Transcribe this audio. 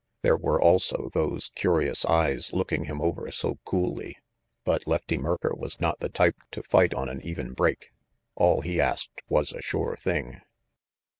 There were also those curious eyes looking him over so coolly. But Lefty Merker was not the type to fight on an even break. All he asked was a sure thing.